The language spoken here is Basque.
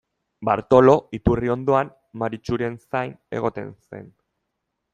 Bartolo iturri ondoan Maritxuren zain egoten zen.